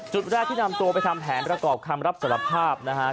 จุดแรกที่นำตัวไปทำแผนประกอบคำรับสารภาพนะฮะ